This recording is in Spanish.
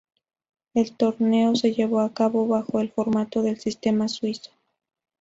El torneo se llevó a cabo bajo el formato del sistema suizo.